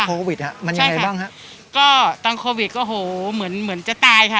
โควิดฮะมันยังไงบ้างฮะก็ตอนโควิดก็โหเหมือนเหมือนจะตายค่ะ